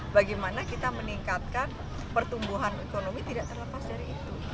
bagaimana kita meningkatkan pertumbuhan ekonomi tidak terlepas dari itu